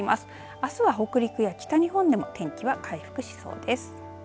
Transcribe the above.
あすは北陸や北日本でも天気は回復しそうです。